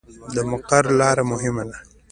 د مقر لاره مهمه ده